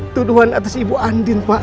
tuduhan atas ibu anders pah